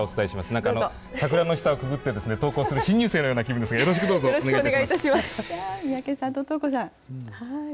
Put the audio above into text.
なんか、桜の下をくぐって、登校する新入生のような気分ですが、よろしくどうぞお願い三宅さんととうこさん。